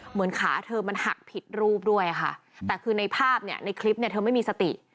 เหมือนขาเธอมันหักผิดรูปด้วยค่ะแต่คือในภาพเนี่ยในคลิปเนี่ยเธอไม่มีสติ